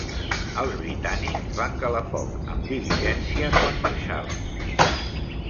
Els britànics van calar foc amb "diligència" quan marxaven.